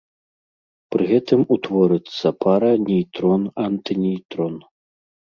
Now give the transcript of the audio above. Пры гэтым утворыцца пара нейтрон-антынейтрон.